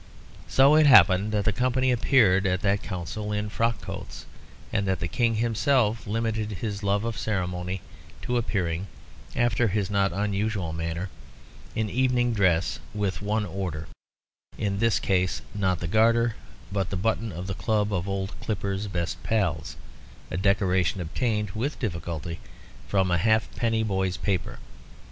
So it happened that the company appeared at that council in frock coats and that the King himself limited his love of ceremony to appearing (after his not unusual manner), in evening dress with one order in this case not the Garter, but the button of the Club of Old Clipper's Best Pals, a decoration obtained (with difficulty) from a halfpenny boy's paper.